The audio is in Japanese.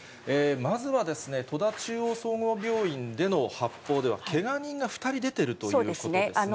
まずは、戸田中央総合病院での発砲ではけが人が２人出てるということです